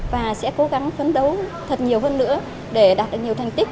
và sẽ cố gắng phấn đấu thật nhiều hơn nữa để đạt được nhiều thành tích